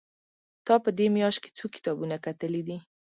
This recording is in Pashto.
تا په دې مياشت کې څو کتابونه کتلي دي؟